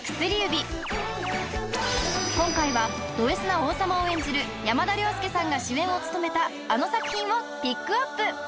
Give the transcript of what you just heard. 今回はドＳな王様を演じる山田涼介さんが主演を務めたあの作品をピックアップ